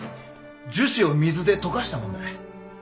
樹脂を水で溶かしたものだ。